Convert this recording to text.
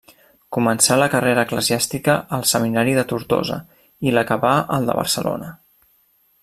Començà la carrera eclesiàstica al seminari de Tortosa i l'acabà al de Barcelona.